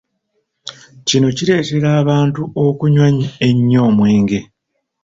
Kino kireetera abantu okunywa ennyo omwenge.